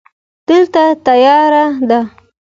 دلته تیاره ده.